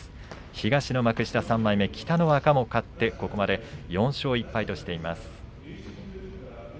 東の幕下３枚目北の若も勝ってここまで４勝１敗としています。